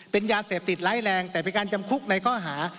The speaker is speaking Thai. เป็นยาเสพติดไร้แรงแต่เป็นการจำคุกในข้อหา